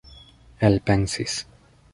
elpensis